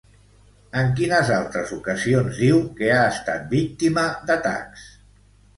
En quines altres ocasions diu que ha estat víctima d'atacs?